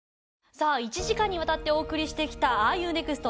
さあ１時間にわたってお送りしてきた『ＲＵＮｅｘｔ？』